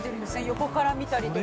横から見たりとか。